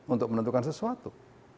untuk menentukan sesuatu